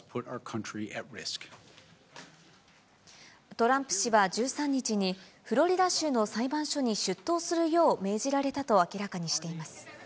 トランプ氏は１３日にフロリダ州の裁判所に出頭するよう命じられたと明らかにしています。